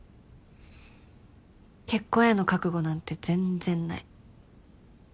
結婚への覚悟なんて全然ない。